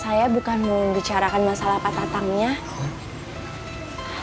saya bukan membicarakan masalah apa tatangnya